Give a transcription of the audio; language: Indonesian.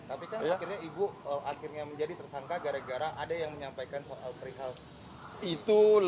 tapi kan akhirnya ibu akhirnya menjadi tersangka gara gara ada yang menyampaikan soal perihal itu